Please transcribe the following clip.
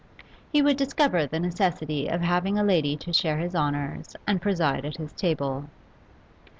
He would discover the necessity of having a lady to share his honours and preside at his table.